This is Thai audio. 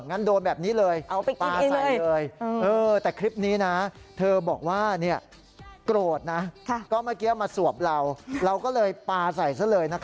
งั้นโดนแบบนี้เลยปลาใส่เลย